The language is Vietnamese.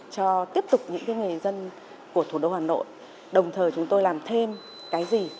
cho tiếp tục những người dân của thủ đô hà nội đồng thời chúng tôi làm thêm cái gì